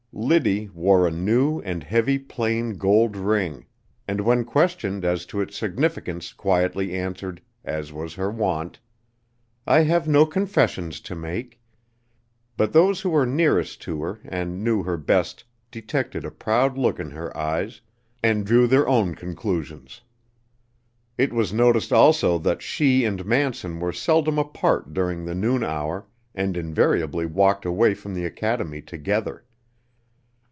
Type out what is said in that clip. Liddy wore a new and heavy plain gold ring, and when questioned as to its significance quietly answered, as was her wont: "I have no confessions to make," but those who were nearest to her and knew her best detected a proud look in her eyes and drew their own conclusions. It was noticed also that she and Manson were seldom apart during the noon hour, and invariably walked away from the academy together.